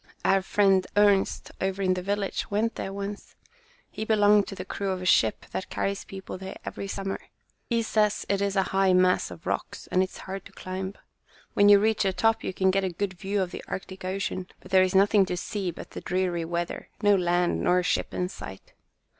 "Our friend Ernst, over in the village, went there once. He belonged to the crew of a ship that carries people there every summer. He says it is a high mass of rocks, and it is hard to climb. When you reach the top, you can get a good view of the Arctic Ocean, but there is nothing to see but the dreary water; no land nor ship in sight.